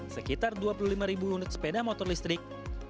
sekitar dua puluh lima ribu unit sepeda motor listrik